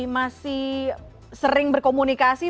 masih sering berkomunikasi